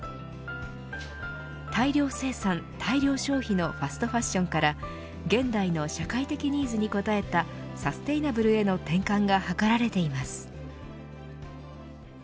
大量生産、大量消費のファストファッションから現在の社会的ニーズに応えたサステイナブルへの転換が図られています。